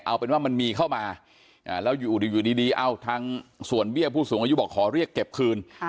เอาเป็นว่ามันมีเข้ามาแล้วอยู่ดีเอ้าทางส่วนเบี้ยผู้สูงอายุบอกขอเรียกเก็บคืน